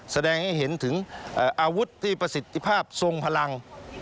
แสดงให้เห็นถึงอาวุธที่ประสิทธิภาพทรงพลัง